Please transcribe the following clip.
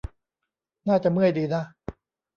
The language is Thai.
น่าจะเมื่อยดีนะ